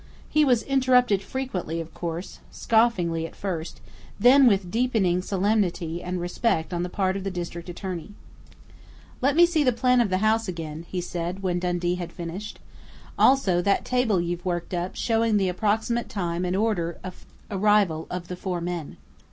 He was interrupted frequently of course, scoffingly at first, then with deepening solemnity and respect on the part of the district attorney. "Let me see the plan of the house again," he said, when Dundee had finished. "Also that table you've worked up showing the approximate time and order of arrival of the four men....